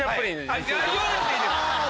言わなくていいです！